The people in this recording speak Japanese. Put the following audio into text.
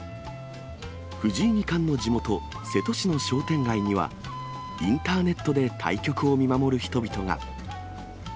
藤井二冠の地元、瀬戸市の商店街には、インターネットで対局を見守る人々が。